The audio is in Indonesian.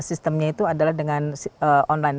itu adalah dengan online